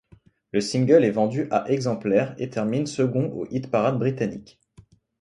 Le single est vendu à exemplaires et termine second au hit parade britannique.